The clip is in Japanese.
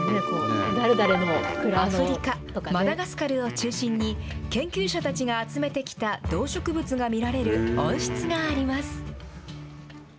アフリカ・マダガスカルを中心に、研究者たちが集めてきた動植物が見られる温室があります。